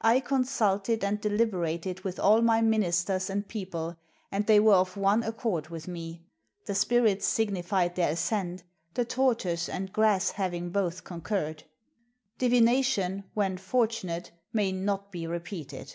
I consulted and deliberated with all my ministers and people, and they were of one accord with me. The spirits signified their assent, the tortoise and grass hav ing both concurred. Divination, when fortunate, may not be repeated."